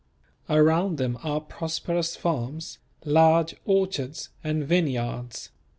Around them are prosperous farms, large orchards and vineyards.